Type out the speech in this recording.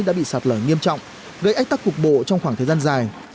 đã bị sạt lở nghiêm trọng gây ách tắc cục bộ trong khoảng thời gian dài